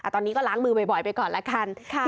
ตอนนี้ก็ล้างมือบ่อยไปก่อนละกัน